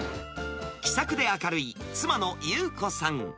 気さくで明るい、妻の優子さん。